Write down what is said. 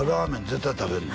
絶対食べるの？